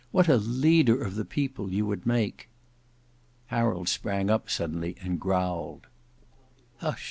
What a leader of the people you would make!" Harold sprang up suddenly and growled. "Hush!"